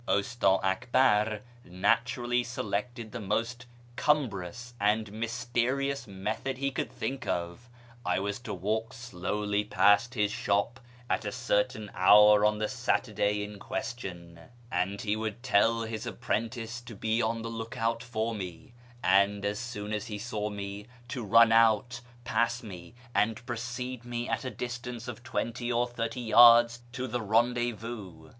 Usta Akbar naturally selected the most cumbrous and mysterious method he could think of. I was to walk slowly past his shop at a certain hour on the Saturday in question, and he would tell his apprentice to be on the look out for me, and, as soon as he saw me, to run out, pass me, and precede me at a distance of twenty or thirty yards to the rendezvous.